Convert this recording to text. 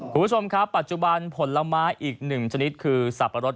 คุณผู้ชมครับปัจจุบันผลไม้อีก๑ชนิดคือสับปะรด